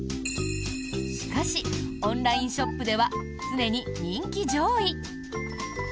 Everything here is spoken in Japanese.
しかし、オンラインショップでは常に人気上位。